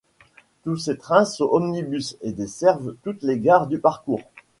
Tous ces trains sont omnibus et desservent toutes les gares du parcours.